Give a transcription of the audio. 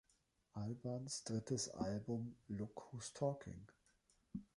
Albans drittes Album Look Who's Talking!